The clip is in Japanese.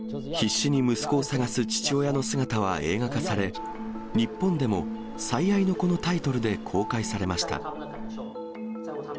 必死に息子を捜す父親の姿は映画化され、日本でも、最愛の子のタイトルで公開されました。